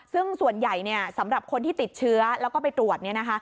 ซึ่งส่วนใหญ่สำหรับคนที่ติดเชื้อแล้วก็ไปตรวจ